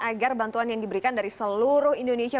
agar bantuan yang diberikan dari seluruh indonesia